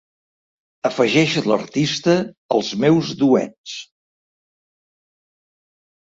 Afegeix l'artista als meu duets.